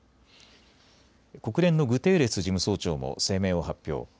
国連のグテーレス事務総長も声明を発表。